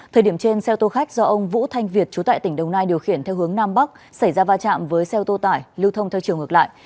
thời điểm trên xeo tô khách do ông vũ thanh việt chú tại tỉnh đồng nai điều khiển theo hướng nam bắc xảy ra va chạm với xeo tô tải lưu thông theo chiều ngược lại